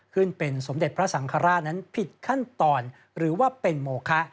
ขึ้นเป็นสมเด็จพระสังฆราชนั้นผิดขั้นตอนหรือว่าเป็นโมคะ